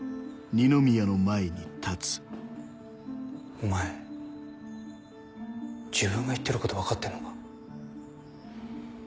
お前自分が言ってること分かってんのか？